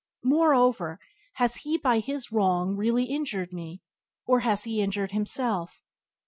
Moreover, has he by his wrong really injured me, or has he injured himself?